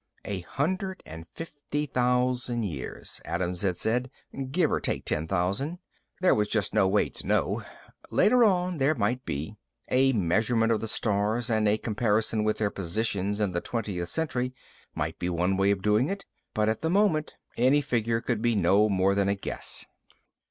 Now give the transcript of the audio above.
A hundred and fifty thousand years, Adams had said, give or take ten thousand. There just was no way to know. Later on, there might be. A measurement of the stars and a comparison with their positions in the twentieth century might be one way of doing it. But at the moment, any figure could be no more than a guess.